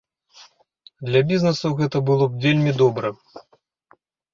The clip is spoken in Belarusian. Для бізнесу гэта было б вельмі добра.